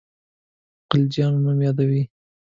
د غلجیو نوم یادوي.